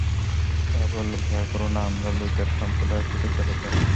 তারা বলল, ভয় করো না, আমরা লূতের সম্প্রদায়ের প্রতি প্রেরিত হয়েছি।